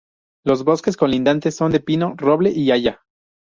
Los bosques colindantes, son de pino, roble y haya.